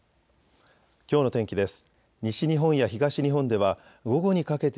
きょうの天気です。